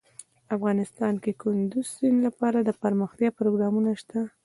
افغانستان کې د کندز سیند لپاره دپرمختیا پروګرامونه شته.